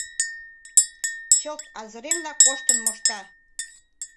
Чылт азыренла коштын мошта.